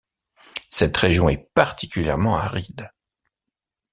Cette région est particulièrement aride.